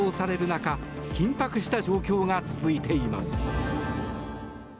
中緊迫した状況が続いています。